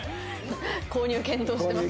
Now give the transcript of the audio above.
購入検討してます？